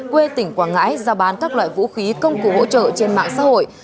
quê tỉnh quảng ngãi ra bán các loại vũ khí công cụ hỗ trợ trên mạng xã hội